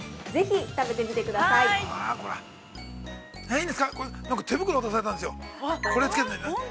◆いいんですか、手袋渡されたんですよ。